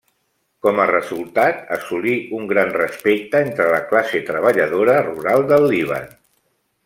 Com a resultat, assolí un gran respecte entre la classe treballadora rural del Líban.